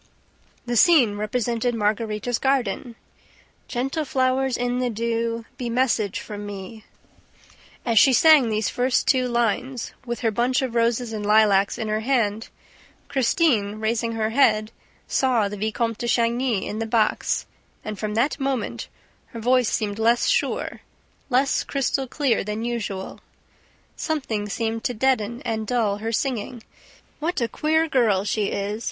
The scene represented Margarita's garden: "Gentle flow'rs in the dew, Be message from me ..." As she sang these first two lines, with her bunch of roses and lilacs in her hand, Christine, raising her head, saw the Vicomte de Chagny in his box; and, from that moment, her voice seemed less sure, less crystal clear than usual. Something seemed to deaden and dull her singing... "What a queer girl she is!"